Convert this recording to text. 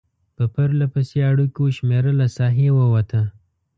په پرلپسې اړیکو شمېره له ساحې ووته.